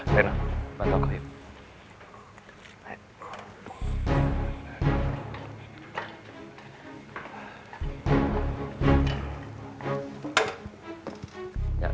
lain bantu aku yuk